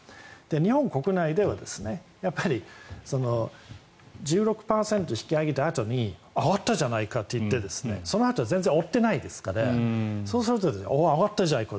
日本国内では１６％引き上げたあとに上がったじゃないかといってそのあと全然追ってないですからそうすると上がったじゃないか